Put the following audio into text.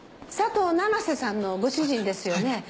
佐藤七瀬さんのご主人ですよね？